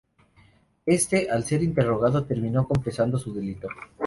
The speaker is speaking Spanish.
Éste, al ser interrogado terminó confesando su delito.